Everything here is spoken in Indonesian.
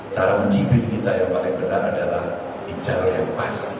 cara menjibir kita yang paling benar adalah di jalur yang pas